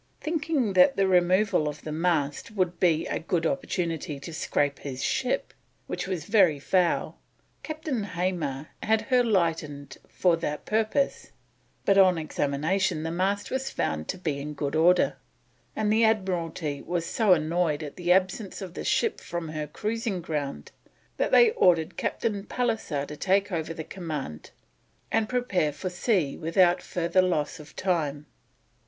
Thinking that the removal of the mast would be a good opportunity to scrape his ship, which was very foul, Captain Hamar had her lightened for that purpose, but on examination the mast was found to be in good order, and the Admiralty was so annoyed at the absence of the ship from her cruising ground that they ordered Captain Pallisser to take over the command and prepare for sea without further loss of time.